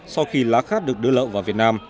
sau khi lá khát được đưa lậu vào việt nam